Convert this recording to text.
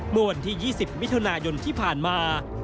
เมื่อวันที่๒๐มิถุนายนที่ผ่านมา